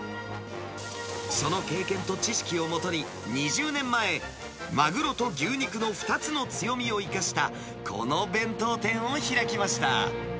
その経験と知識をもとに、２０年前、マグロと牛肉の２つの強みを生かした、この弁当店を開きました。